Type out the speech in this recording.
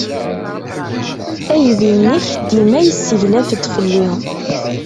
Aydi-nnek dima yesseglaf-d fell-i.